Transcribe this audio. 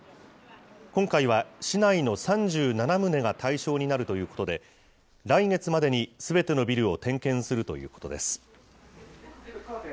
今回は、市内の３７棟が対象になるということで、来月までにすべてのビルを点検するということです。